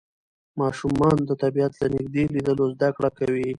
ماشومان د طبیعت له نږدې لیدلو زده کړه کوي